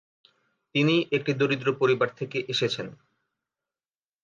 তিনি একটি দরিদ্র পরিবার থেকে এসেছেন।